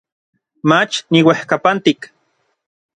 Mach niuejkapantik.